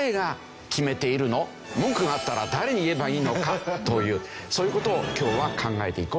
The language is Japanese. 文句があったら誰に言えばいいのか？というそういう事を今日は考えていこうと思います。